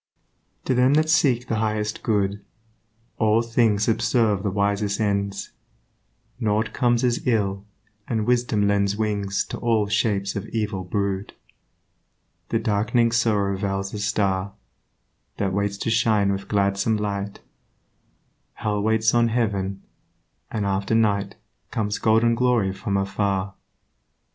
To them that seek the highest good All things subserve the wisest ends; Nought comes as ill, and wisdom lends Wings to all shapes of evil brood. The dark'ning sorrow veils a Star That waits to shine with gladsome light; Hell waits on heaven; and after night Comes golden glory from afar.